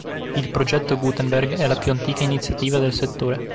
Il progetto Gutenberg è la più antica iniziativa del settore.